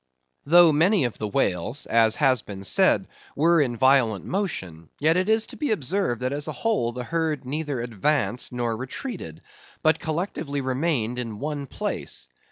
Though many of the whales, as has been said, were in violent motion, yet it is to be observed that as a whole the herd neither advanced nor retreated, but collectively remained in one place.